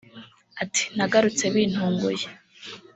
Ati “Nagarutse bintunguye